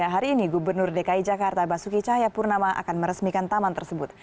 hari ini gubernur dki jakarta basuki cahayapurnama akan meresmikan taman tersebut